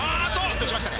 転倒しましたね。